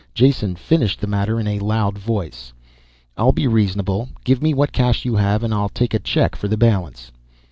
Jason finished the matter in a loud voice. "I'll be reasonable, give me what cash you have and I'll take a check for the balance."